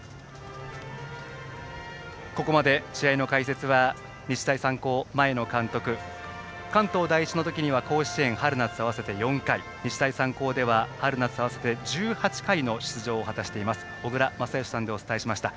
ここまで試合の解説は日大三高前の監督関東第一の時には甲子園、春夏合わせて４回日大三高では春夏合わせて１８回の出場を果たしています小倉全由さんでお伝えしました。